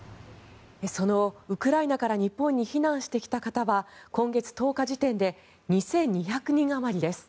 ウクライナから日本に避難してきた方は今月１０日時点で２２００人余りです。